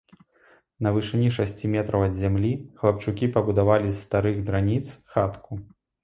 На вышыні шасці метраў ад зямлі хлапчукі пабудавалі з старых драніц хатку.